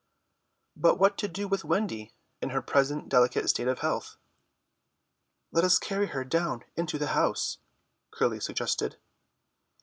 But what to do with Wendy in her present delicate state of health? "Let us carry her down into the house," Curly suggested.